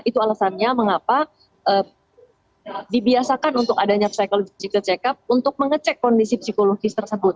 itu alasannya mengapa dibiasakan untuk adanya psychological check up untuk mengecek kondisi psikologis tersebut